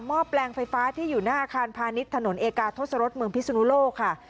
อบแปลงไฟฟ้าที่อยู่หน้าอาคารพาณิชย์ถนนเอกาทศรษเมืองพิศนุโลกค่ะ